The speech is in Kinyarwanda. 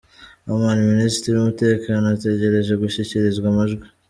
Oman: Minisitiri w’ umutekano ategereje gushyikirizwa amajwi.